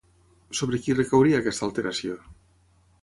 Sobre qui recauria aquesta alteració?